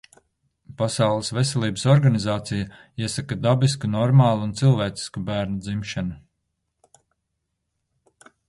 Pasaules Veselības Organizācija iesaka dabisku, normālu un cilvēcisku bērnu dzimšanu.